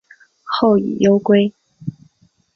后以忧归。